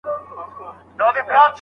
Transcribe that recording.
سترگې چې اوس مړې اچوي ست بې هوښه شوی دی